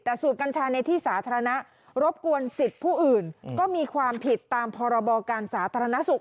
แต่สูบกัญชาในที่สาธารณะรบกวนสิทธิ์ผู้อื่นก็มีความผิดตามพรบการสาธารณสุข